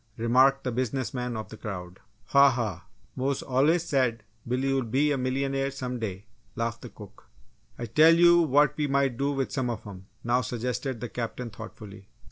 remarked the business man of the crowd. "Ha, ha! Mose allus said Bill woul' be a milyunair some day," laughed the cook. "I tell you what we might do with some of 'em!" now suggested the Captain, thoughtfully.